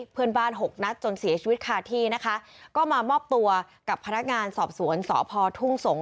หกนัดจนเสียชีวิตคาที่นะคะก็มามอบตัวกับพนักงานสอบสวนสพทุ่งสงศ